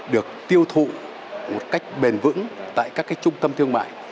được tiêu thụ một cách bền vững tại các trung tâm thương mại